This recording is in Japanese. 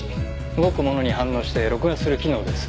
動くものに反応して録画する機能です。